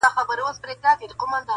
• خو د خولې له خلاصېدو سره خطا سو -